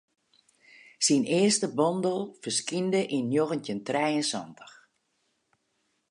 Syn earste bondel ferskynde yn njoggentjin trije en santich.